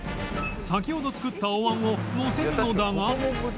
先ほど作ったおわんをのせるのだが